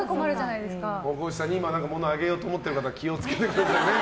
大河内さんにものをあげようと思っている方気を付けてくださいね。